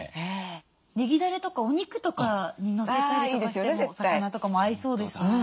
ねぎだれとかお肉とかにのせたりとかしても魚とかも合いそうですね。